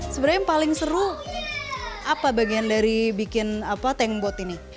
sebenarnya yang paling seru apa bagian dari bikin tank bot ini